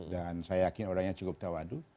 dan saya yakin orangnya cukup tawadu